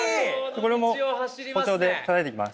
これも包丁でたたいていきます